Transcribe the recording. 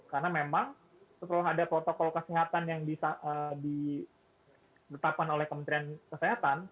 karena memang setelah ada protokol kesehatan yang ditetapkan oleh kementerian kesehatan